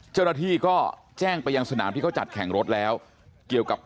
เจ้าหน้าที่ก็แจ้งไปยังสนามที่เค้าจัดแข็งรถแล้ว